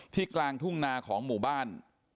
กลางทุ่งนาของหมู่บ้าน